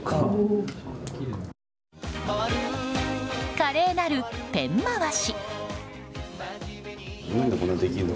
華麗なる、ペン回し！